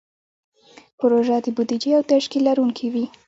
پروژه د بودیجې او تشکیل لرونکې وي.